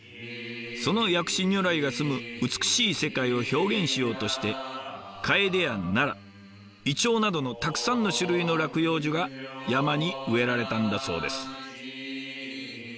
その薬師如来が住む美しい世界を表現しようとしてカエデやナライチョウなどのたくさんの種類の落葉樹が山に植えられたんだそうです。